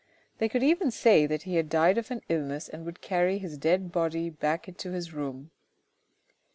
They could then say that he had died of an illness and would carry his dead body back into his room.